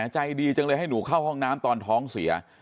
ใจดีจังเลยให้หนูเข้าห้องน้ำตอนท้องเสีย